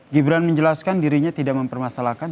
gibran menjelaskan dirinya tidak mempermasalahkan